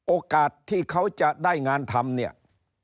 โอกาสที่เขาจะได้งานทำ